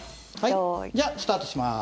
じゃあスタートします。